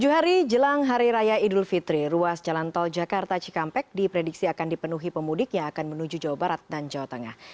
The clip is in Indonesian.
tujuh hari jelang hari raya idul fitri ruas jalan tol jakarta cikampek diprediksi akan dipenuhi pemudik yang akan menuju jawa barat dan jawa tengah